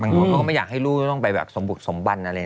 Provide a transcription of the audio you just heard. เขาก็ไม่อยากให้ลูกต้องไปแบบสมบุกสมบันอะไร